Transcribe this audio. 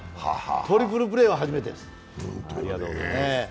トリプルプレーは初めてです。